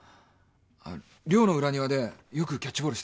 寮の裏庭でよくキャッチボールしたよ。